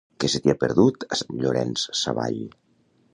Què se t'hi ha perdut, a Sant Llorenç Savall?